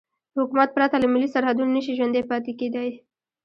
حکومت پرته له ملي سرحدونو نشي ژوندی پاتې کېدای.